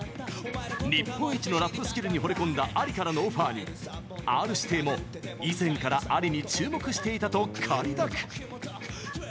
日本一のラップスキルにほれ込んだＡＬＩからのオファーに、Ｒ−指定も以前からＡＬＩに注目していたと快諾。